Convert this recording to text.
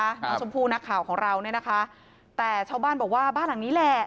น้องชมพู่นักข่าวของเราเนี่ยนะคะแต่ชาวบ้านบอกว่าบ้านหลังนี้แหละ